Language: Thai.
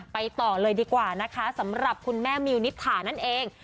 ไปต่อเลยดีกว่านะคะสำหรับคุณแม่มิวนิษฐานั่นเอง